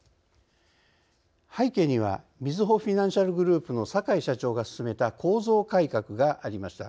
背景にはみずほフィナンシャルグループの坂井社長が進めた構造改革がありました。